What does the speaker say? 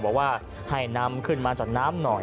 บอกว่าให้นำขึ้นมาจากน้ำหน่อย